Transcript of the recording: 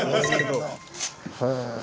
へえ。